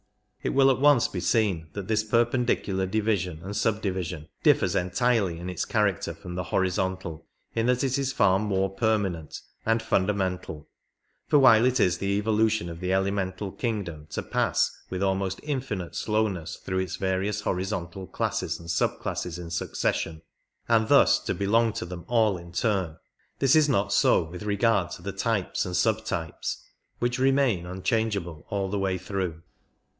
It will at once be seen that this perpendicular division and subdivision differs entirely in its character from the horizontal, in that it is far more permanent and fundamental ; for while it is the evolution of the elemental kingdom to pass with almost infinite slowness through its various horizontal classes and subclasses in succession, and thus to belong to them all in turn, this is not so with regard to the types and sub types, which remain unchangeable all the way through.